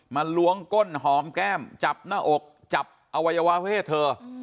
ล้วงก้นหอมแก้มจับหน้าอกจับอวัยวะเพศเธอ